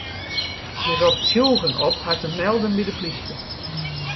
Hy ropt tsjûgen op har te melden by de plysje.